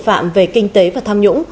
phạm về kinh tế và tham nhũng